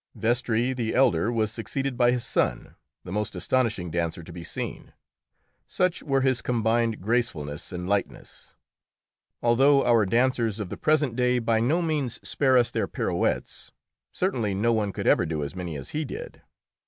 Vestris the elder was succeeded by his son, the most astonishing dancer to be seen, such were his combined gracefulness and lightness. Although our dancers of the present day by no means spare us their pirouettes, certainly no one could ever do as many as he did.